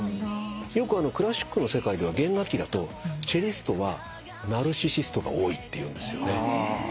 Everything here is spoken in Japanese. よくクラシックの世界では弦楽器だとチェリストはナルシシストが多いっていうんですよね。